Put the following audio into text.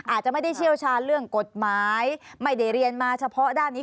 อาจจะไม่ได้เชี่ยวชาญเรื่องกฎหมายไม่ได้เรียนมาเฉพาะด้านนี้